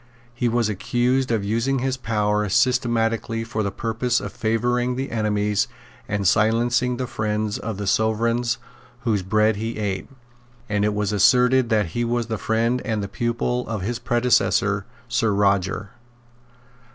He was accused of using his power systematically for the purpose of favouring the enemies and silencing the friends of the Sovereigns whose bread he ate; and it was asserted that he was the friend and the pupil of his predecessor Sir Roger.